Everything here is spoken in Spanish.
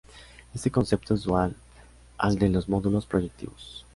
Este concepto es dual al de los módulos proyectivos.